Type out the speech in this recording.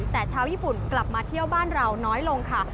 แต่ชาวญี่ปุ่นกลับมาเที่ยวบ้านเราน้อยลงค่ะ